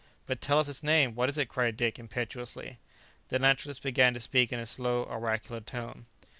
"But tell us its name! what is it?" cried Dick impetuously. The naturalist began to speak in a slow, oracular tone.